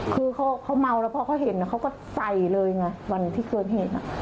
คือเขาเมาแล้วพอเขาเห็นเขาก็ใส่เลยไงวันที่เกิดเหตุ